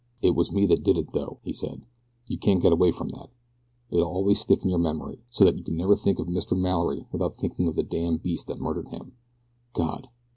"It was me that did it, though," he said; "you can't get away from that. It'll always stick in your memory, so that you can never think of Mr. Mallory without thinking of the damned beast that murdered him God!